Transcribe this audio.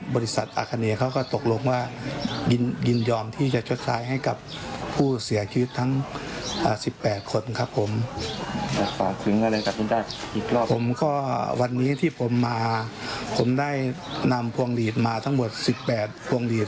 ผมก็วันนี้ที่ผมมาผมได้นำพวงหลีดมาทั้งหมด๑๘พวงหลีด